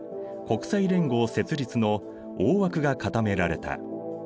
国際連合設立の大枠が固められた。